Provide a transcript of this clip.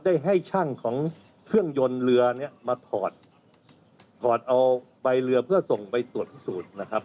ได้ให้ช่างของเครื่องยนต์เรือเนี้ยมาถอดถอดเอาใบเรือเพื่อส่งไปตรวจพิสูจน์นะครับ